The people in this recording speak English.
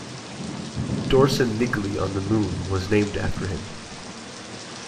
Dorsum Niggli on the Moon was named after him.